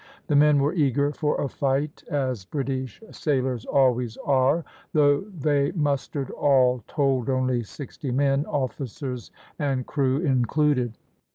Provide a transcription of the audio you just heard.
The men were eager for a fight, as British sailors always are, though they mustered all told only sixty men, officers and crew included.